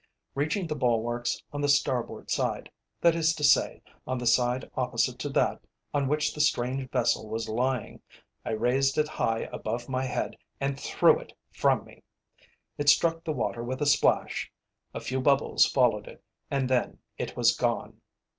Reaching the bulwarks on the starboard side, that is to say, on the side opposite to that on which the strange vessel was lying, I raised it high above my head and threw it from me. It struck the water with a splash, a few bubbles followed it, and then it was gone.